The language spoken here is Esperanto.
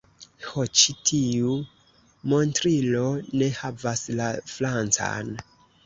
Ho ĉi tiu montrilo ne havas la francan